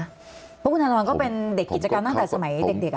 เพราะคุณธนทรก็เป็นเด็กกิจกรรมตั้งแต่สมัยเด็ก